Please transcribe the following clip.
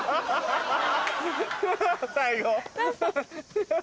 最後。